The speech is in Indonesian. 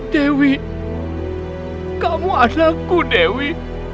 dewi kamu adalah aku dewi